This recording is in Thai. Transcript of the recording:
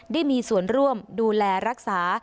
ได้มีส่วนร่วมดูแลรักษา